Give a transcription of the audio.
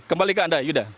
kembali ke anda yuda